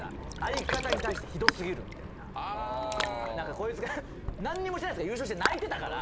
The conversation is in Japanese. こいつ何にもしてないけど優勝して泣いてたから。